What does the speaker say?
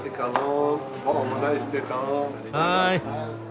はい。